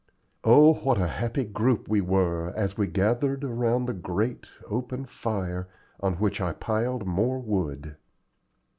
Oh, what a happy group we were, as we gathered around the great, open fire, on which I piled more wood!